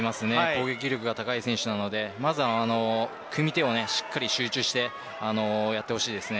攻撃力が高い選手なので組み手をしっかり集中してやってほしいです。